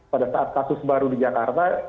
pada saat kasus baru di jakarta